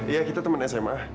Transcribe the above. iya kita teman sma